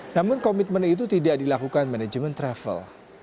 namun komitmen itu tidak dilakukan manajemen travel